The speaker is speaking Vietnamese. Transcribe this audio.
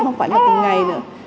không phải là từng ngày nữa